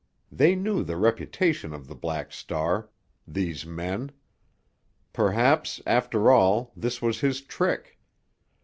They knew the reputation of the Black Star—these men. Perhaps, after all, this was his trick.